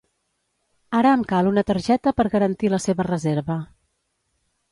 Ara em cal una targeta per garantir la seva reserva.